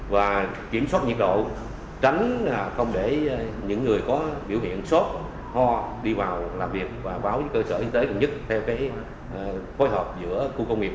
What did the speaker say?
và kiểm soát nhiệt độ tránh không để những người có biểu hiện sốt ho đi vào làm việc và báo với cơ sở y tế gần nhất theo phối hợp giữa khu công nghiệp